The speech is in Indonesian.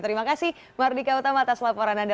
terima kasih mardika utama atas laporan anda